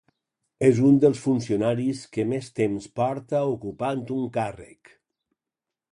És un dels funcionaris que més temps porta ocupant un càrrec.